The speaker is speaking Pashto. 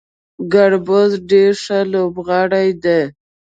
ګربز ډیر ښه لوبغاړی دی